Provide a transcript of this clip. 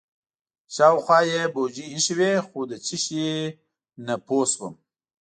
شاوخوا یې بوجۍ ایښې وې خو د څه شي نه پوه شوم.